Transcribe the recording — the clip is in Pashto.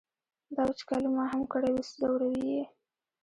دا وچکالي ما هم کړوي ځوروي یې.